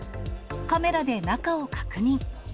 カメラで中を確認。